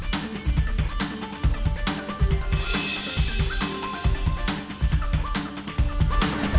terima kasih bapak bapak